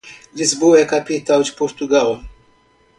Lisboa é a capital de Portugal.